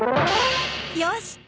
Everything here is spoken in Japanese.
よし！